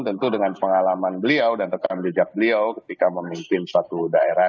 tentu dengan pengalaman beliau dan rekam jejak beliau ketika memimpin suatu daerah